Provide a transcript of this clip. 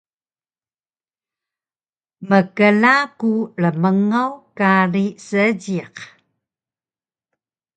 Mkla ku rmngaw kari Seejiq